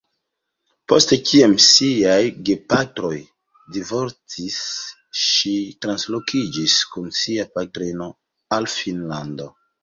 Post kiam ŝiaj gepatroj divorcis ŝi transloĝiĝis kun sia patrino al Finnlando.